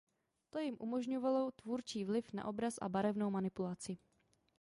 To jim umožňovalo tvůrčí vliv na obraz a barevnou manipulaci.